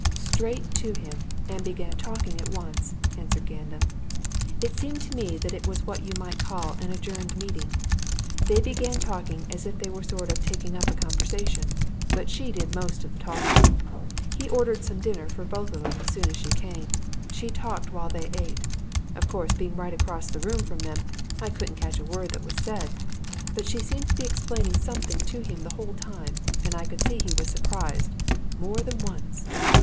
"Straight to him and began talking at once," answered Gandam. "It seemed to me that it was what you might call an adjourned meeting they began talking as if they were sort of taking up a conversation. But she did most of the talking. He ordered some dinner for both of 'em as soon as she came she talked while they ate. Of course, being right across the room from them, I couldn't catch a word that was said, but she seemed to be explaining something to him the whole time, and I could see he was surprised more than once."